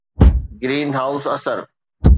green house اثر